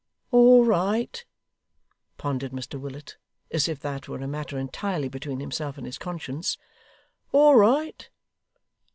'All right?' pondered Mr Willet, as if that were a matter entirely between himself and his conscience. 'All right?